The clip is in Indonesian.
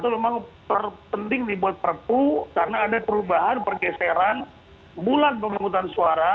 memang penting dibuat perpu karena ada perubahan pergeseran bulan pemungutan suara